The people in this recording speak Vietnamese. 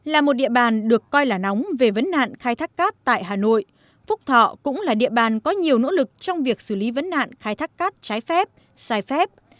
là một địa bàn được coi là nóng về vấn nạn khai thác cát tại hà nội phúc thọ cũng là địa bàn có nhiều nỗ lực trong việc xử lý vấn nạn khai thác cát trái phép sai phép